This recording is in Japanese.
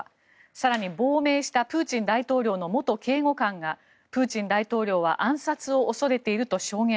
更に、亡命したプーチン大統領の元警護官がプーチン大統領は暗殺を恐れていると証言。